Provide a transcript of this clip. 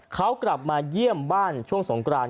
เขากลับมาเยี่ยมบ้านช่วงสงกราน